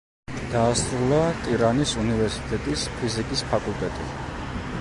დაასრულა ტირანის უნივერსიტეტის ფიზიკის ფაკულტეტი.